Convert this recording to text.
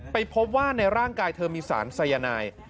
ไปพบว่าในร่างกายเธอมีสารสายนาย